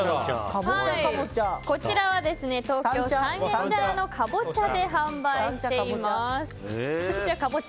こちらは東京・三軒茶屋のカボチャで販売しています。